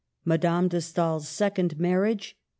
MADAME DE STAEl/s SECOND MARRIAGE.